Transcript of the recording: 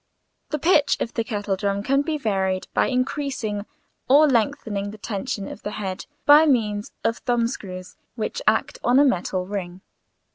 The pitch of the kettle drum can be varied by increasing or lessening the tension of the head by means of thumb screws which act on a metal ring.